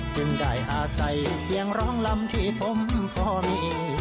จึงได้อาศัยเสียงร้องลำที่ผมก็มี